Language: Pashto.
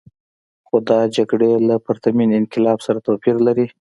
خو دا جګړې له پرتمین انقلاب سره توپیر لري.